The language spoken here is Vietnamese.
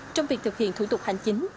trong việc thực hiện thủ tục hành chính